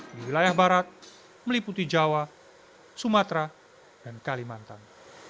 di wilayah barat meliputi jawa sumatera dan kalimantan